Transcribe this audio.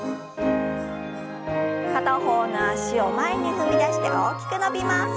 片方の脚を前に踏み出して大きく伸びます。